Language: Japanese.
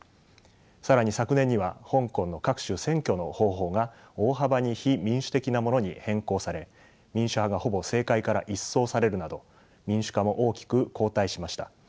更に昨年には香港の各種選挙の方法が大幅に非民主的なものに変更され民主派がほぼ政界から一掃されるなど民主化も大きく後退しました。